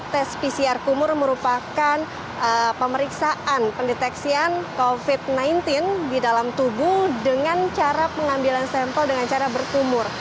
tes pcr kumur merupakan pemeriksaan pendeteksian covid sembilan belas di dalam tubuh dengan cara pengambilan sampel dengan cara berkumur